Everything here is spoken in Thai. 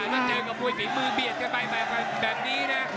ถ้าเจอกับมวยฝีมือเบียดกันไปแบบนี้นะ